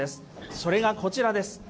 それがこちらです。